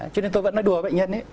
cho nên tôi vẫn nói đùa với bệnh nhân